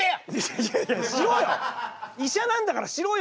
いやいやいやしろよ！